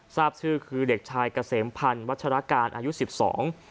ทราบชื่อคือเด็กชายเกษมพันธ์วัชราการอายุสิบสอง